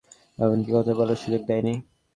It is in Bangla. এমনকি কথা বলারও সুযোগ দেননি।